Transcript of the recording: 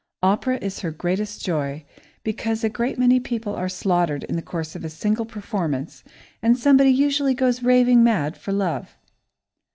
Opera is her greatest joy, because a great many people are slaughtered in the course of a single performance, and somebody usually goes raving mad for love.